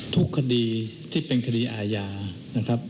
ทุกคดีที่เป็นคดีอาญานะครับ